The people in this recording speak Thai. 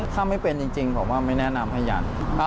ถ้าไม่เป็นจริงผมว่าไม่แนะนำให้ยัน